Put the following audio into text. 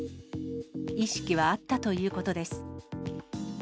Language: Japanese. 意識はあったということです。